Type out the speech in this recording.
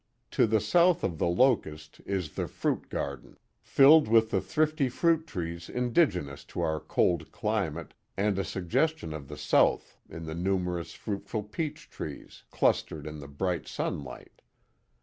To the south of the locust is the fruit garden, filled with the thrifty fruit trees indigenous to our cold climate, and a suggestion of the south in the numerous fruitful peach trees, clustered in the bright sunlight.